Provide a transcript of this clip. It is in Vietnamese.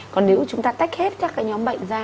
còn nếu chúng ta tách hết các cái nhóm bệnh ra